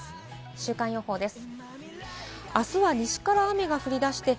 週間予報です。